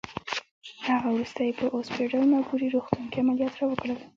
له هغه وروسته یې په اوسپیډل مګوري روغتون کې عملیات راوکړل.